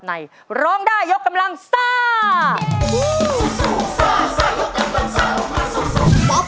ร้องได้ยกกำลังซ่า